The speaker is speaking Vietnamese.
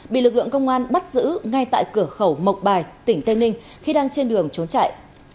bị lực lượng công an bắt giữ ngay tại cửa khẩu mộc bài tỉnh tây ninh khi đang trên đường trốn chạy